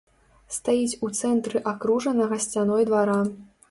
Стаіць у цэнтры акружанага сцяной двара.